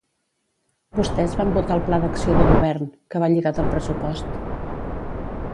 Vostès van votar el pla d’acció de govern, que va lligat al pressupost.